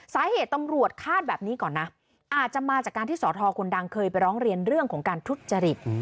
สาเหตุตำรวจคาดแบบนี้ก่อนนะอาจจะมาจากการที่สอทอคนดังเคยไปร้องเรียนเรื่องของการทุจริต